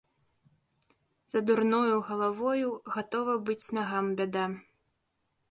За дурною галавою гатова быць нагам бяда.